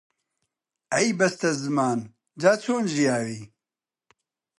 ئەی بەستەزمان، جا چۆن ژیاوی؟